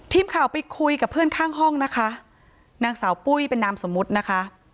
ทีมข่าวไปคุยกับเพื่อนข้างห้องนะคะนางสาวปุ้ยเป็นนามสมมุตินะคะ